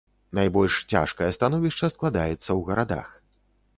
Найбольш цяжкае становішча складаецца ў гарадах.